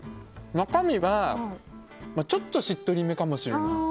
中身はちょっとしっとり目かもしれない。